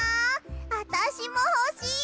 あたしもほしい！